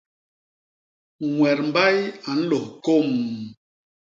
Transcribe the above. Ñwet mbay a nlôs kômm!.